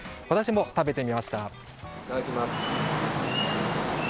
私も食べてみました。